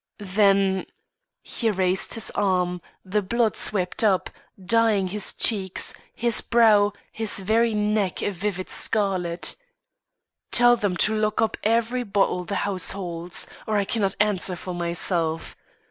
"Then " He raised his arm; the blood swept up, dyeing his cheeks, his brow, his very neck a vivid scarlet. "Tell them to lock up every bottle the house holds, or I cannot answer for myself.